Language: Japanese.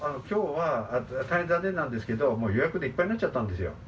きょうは、大変残念なんですけど、もう予約でいっぱいになっちゃったんですよ。